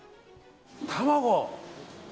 卵！